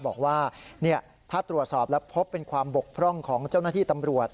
บอกว่าถ้าตรวจสอบแล้วพบเป็นความบกพร่องของเจ้าหน้าที่ตำรวจ